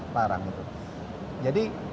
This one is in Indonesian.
parang gitu jadi